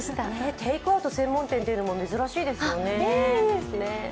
テイクアウト専門店というのは珍しいですよね。